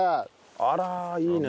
あらいいね。